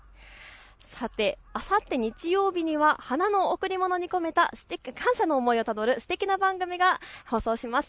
さて、あさって日曜日には花の贈り物に込めた感謝の思いをたどるすてきな番組を放送します。